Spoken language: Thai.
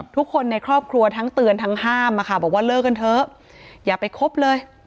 ทุกคนในครอบครัวทั้งเตือนทั้งห้ามอะค่ะบอกว่าเลิกกันเถอะอย่าไปคบเลย